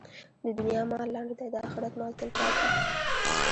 د دنیا مال لنډ دی، د اخرت مال تلپاتې.